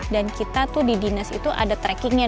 dan kita tuh di dinas itu ada trackingnya